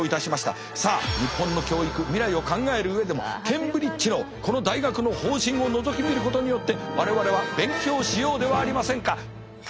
さあ日本の教育未来を考える上でもケンブリッジのこの大学の方針をのぞき見ることによって我々は勉強しようではありませんか。